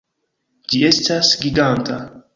Ĝi estas giganta!